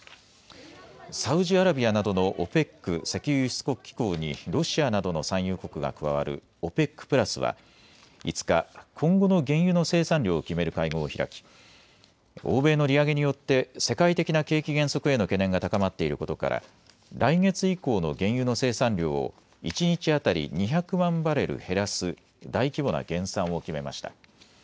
サウジアラビアなどのＯＰＥＣ・石油輸出国機構にロシアなどの産油国が加わるＯＰＥＣプラスは５日、今後の原油の生産量を決める会合を開き欧米の利上げによって世界的な景気減速への懸念が高まっていることから来月以降の原油の生産量を一日当たり２００万バレル減らす大規模な減産を決めました。